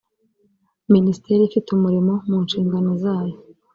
minisiteri ifite umurimo mu nshingano zayo